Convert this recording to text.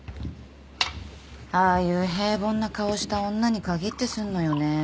ああいう平凡な顔した女に限ってすんのよね